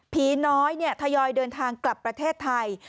ผีน้อยทยอยเดินทางกลับประเทศไทย